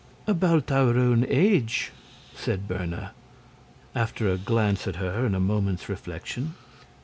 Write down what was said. "About our own age," said Berna, after a glance at her and a moment's reflection.